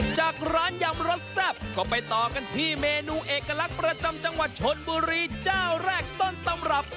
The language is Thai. จากร้านยำรสแซ่บก็ไปต่อกันที่เมนูเอกลักษณ์ประจำจังหวัดชนบุรีเจ้าแรกต้นตำรับ